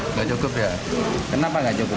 enggak cukup ya kenapa enggak cukup